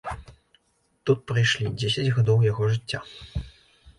Тут прайшлі дзесяць гадоў яго жыцця.